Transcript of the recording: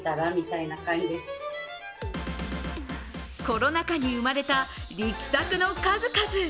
コロナ禍に生まれた力作の数々。